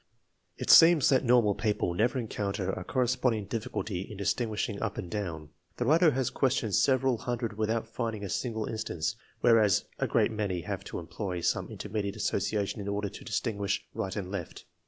It seems that normal people never encounter a corre sponding difficulty in distinguishing up and down. The writer has questioned several hundred without finding a single instance, whereas a great many have to employ some intermediate association in order to distinguish right and left.